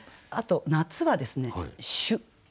あと夏はですね朱。